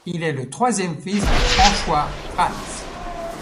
Il est le troisième fils de Franchoys Fransz.